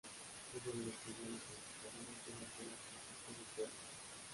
Fue uno de los primeros conquistadores durante la conquista de Córdoba.